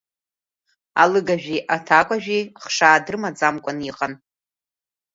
Алыгажәи аҭакәажәи хшаа дрымаӡамкәан иҟан.